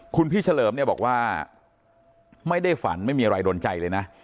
คุณพี่เฉลิมเนี่ยบอกว่าไม่ได้ฝันไม่มีอะไรโดนใจเลยนะ